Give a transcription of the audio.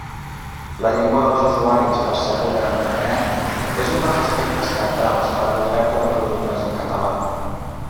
La llengua dels usuaris percebuda a Internet és un dels aspectes cabdals per a l'oferta de productes en català.